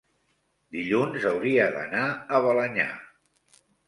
dilluns hauria d'anar a Balenyà.